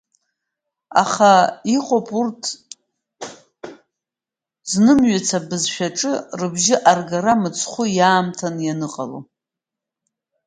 Аха иҟоуп урҭ знымҩыц абызшәаҿы рыбжьы аргара мыцхәы иаамҭаны ианыҟало.